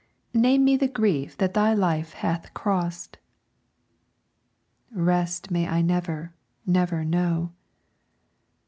"Name me the grief that thy life hath crossed." "Rest may I never, never know."